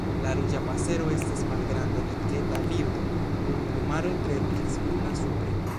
La Ruĝa pasero estas malgranda diketa birdo, kun plumaro tre ruĝecbruna supre.